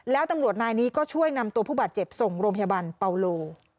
แล้วตำรวจนายนี้ก็ช่วยนำตัวผู้บาดเจ็บส่งโรงพยาบาลเปาโล